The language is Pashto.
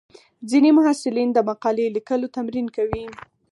ځینې محصلین د مقالې لیکلو تمرین کوي.